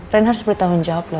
rena harus bertanggung jawab loh